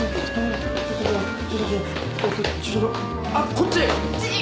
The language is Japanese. こっち。